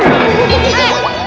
aduh mabuk mabuk mabuk